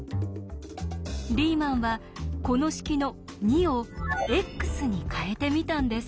リーマンはこの式の「２」を「ｘ」に変えてみたんです。